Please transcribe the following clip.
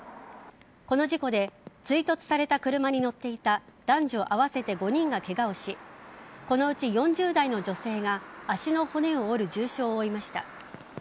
この事故で追突された車に乗っていた男女合わせて５人がケガをしこのうち４０代の女性が足の骨を折る重傷を負いました。